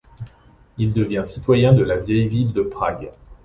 Il devient citoyen de la Vieille Ville de Prague.